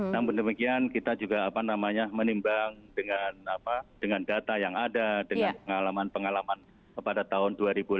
namun demikian kita juga menimbang dengan data yang ada dengan pengalaman pengalaman pada tahun dua ribu delapan belas dua ribu sembilan belas